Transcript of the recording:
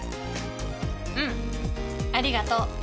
うんありがとう。